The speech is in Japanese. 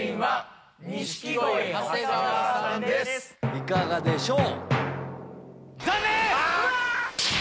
いかがでしょう？